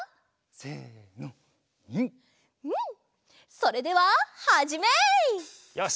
それでははじめ！よし！